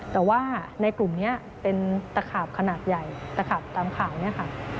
แต่ว่าในกลุ่มนี้เป็นตะขาบขนาดใหญ่ตะขาบตามข่าวเนี่ยค่ะ